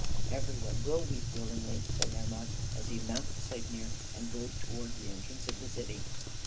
"Every one will weep willingly," said Hermod, as he mounted Sleipnir and rode towards the entrance of the city.